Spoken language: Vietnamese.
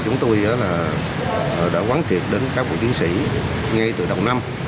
chúng tôi đã quán thiệt đến các bộ chiến sĩ ngay từ đầu năm